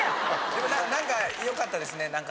でも何かよかったですね何か。